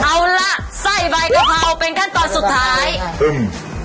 เอาล่ะไส้ใบกะเพราเป็นขั้นตอนสุดท้ายอึ้ง